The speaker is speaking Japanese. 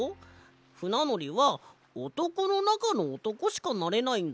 ふなのりはおとこのなかのおとこしかなれないんだよ。